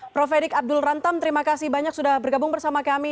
prof edik abdul rantam terima kasih banyak sudah bergabung bersama kami